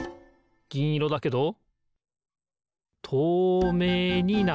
ぎんいろだけどとうめいになる。